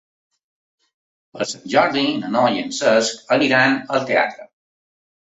Per Sant Jordi na Noa i en Cesc aniran al teatre.